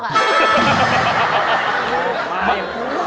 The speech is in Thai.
มาอย่าง